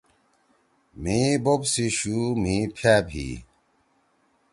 مھی بوپ سی شُو مھی پھأپ ہی۔